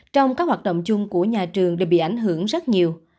trong các hoạt động chung của nhà trường đều bị ảnh hưởng rất nhiều